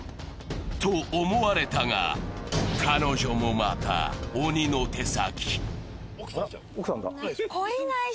と思われたが、彼女もまた鬼の手先。